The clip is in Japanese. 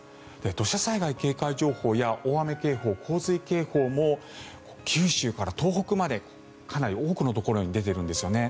土砂災害警戒情報や大雨・洪水警報も九州から東北までかなり多くのところに出てるんですよね。